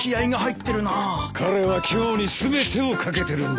彼は今日に全てを懸けてるんだよ。